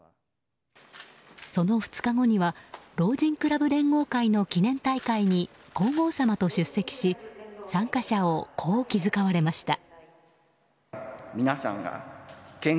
その２日後には老人クラブ連合会の記念大会に皇后さまと出席し参加者をこう気遣われました。